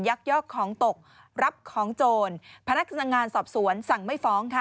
ยอกของตกรับของโจรพนักงานสอบสวนสั่งไม่ฟ้องค่ะ